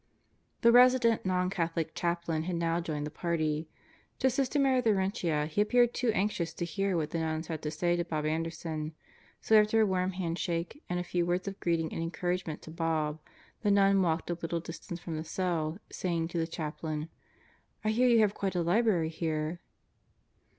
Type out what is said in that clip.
The resident non Catholic chaplain had now joined the party. To Sister Mary Laurentia he appeared too anxious to hear what the nuns had to say to Bob Anderson, so after a warm handshake and a few words of greeting and encouragement to Bob, the nun walked a little distance from the cell saying to the chaplain: "I hear you have quite a library here."